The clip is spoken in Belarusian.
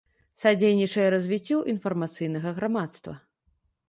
Садзейнiчанне развiццю iнфармацыйнага грамадства.